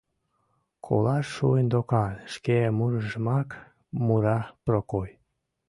— Колаш шуын докан, — шке мурыжымак мура Прокой.